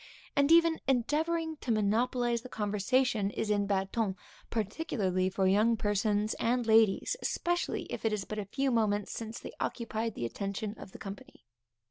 And even endeavoring to monopolize the conversation is in bad ton, particularly for young persons and ladies, especially if it is but a few moments since they occupied the attention of the company.